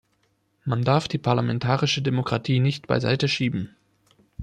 Man darf die parlamentarische Demokratie nicht beiseite schieben.